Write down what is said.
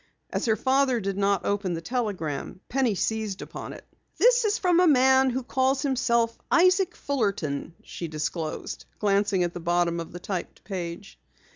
As her father did not open the telegram, Penny seized upon it. "This is from a man who calls himself Isaac Fulterton," she disclosed, glancing at the bottom of the typed page.